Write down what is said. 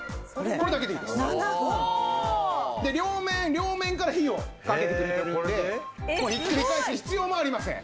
両面から火をかけてくれているんでもうひっくり返す必要もありません。